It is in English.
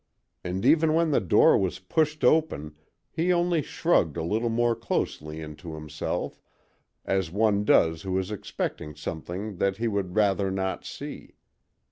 And even when the door was pushed open he only shrugged a little more closely into himself, as one does who is expecting something that he would rather not see.